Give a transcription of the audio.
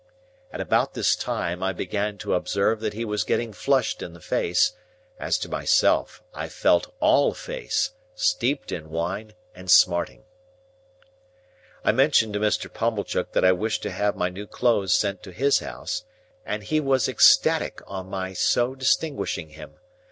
At about this time, I began to observe that he was getting flushed in the face; as to myself, I felt all face, steeped in wine and smarting. I mentioned to Mr. Pumblechook that I wished to have my new clothes sent to his house, and he was ecstatic on my so distinguishing him.